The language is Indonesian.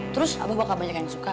terus aku bakal banyak yang suka